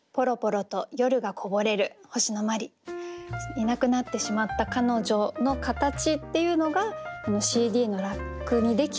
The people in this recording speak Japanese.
いなくなってしまった彼女の形っていうのが「ＣＤのラックにできた隙間」。